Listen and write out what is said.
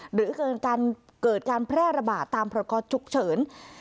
หรือเกิดการแพร่ระบาดตามประกอฉุกเฉิน